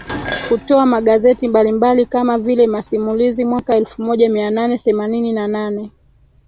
Kutoa magazeti mbalimbali kama vile masimulizi mwaka elfumoja mianane themanini na nane